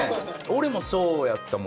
俺もそうやったもん。